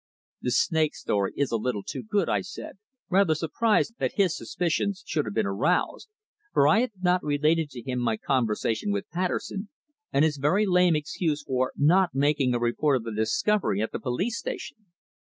"The snake story is a little too good," I said, rather surprised that his suspicions should have been aroused, for I had not related to him my conversation with Patterson and his very lame excuse for not making a report of the discovery at the police station.